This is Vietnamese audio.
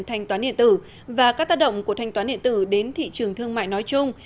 thanh toán điện tử và các tác động của thanh toán điện tử đến thị trường thương mại nói chung